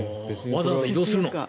わざわざ移動するの？